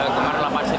kemarin lama sekali